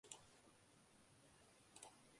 Su sucesor fue William Turner Thiselton-Dyer.